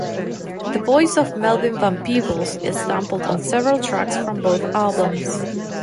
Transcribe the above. The voice of Melvin Van Peebles is sampled on several tracks from both albums.